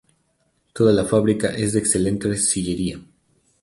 Toda la fábrica es de excelente sillería.